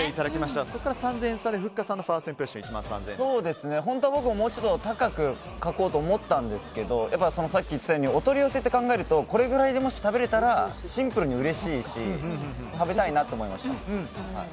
そこから３０００円差でふっかさんの本当は僕ももうちょっと高く書こうと思ったんですけどやっぱりさっき言ってたようにお取り寄せって考えるとこれくらいで食べられたらシンプルにうれしいし食べたいなと思いました。